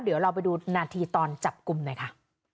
เดี๋ยวเราไปดูนาทีตอนจับกลุ่มหน่อยค่ะ